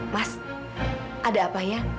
mas ada apa ya